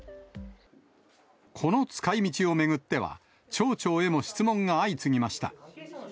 この使いみちを巡っては、町長へも質問が相次ぎました。